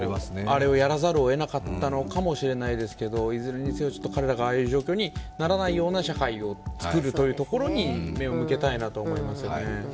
あれをやらざるをえなかったのかもしれないですけれども、いずれにせよ彼らがああいう状況にならないような社会を作るというところに目を向けたいなと思いますね。